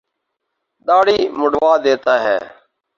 داڑھی منڈوا دیتا ہے۔